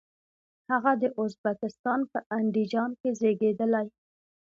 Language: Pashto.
هغه د ازبکستان په اندیجان کې زیږیدلی.